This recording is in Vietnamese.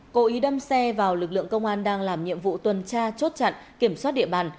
cố ý đâm xe vào lực lượng công an đang làm nhiệm vụ tuần tra chốt chặn kiểm soát địa bàn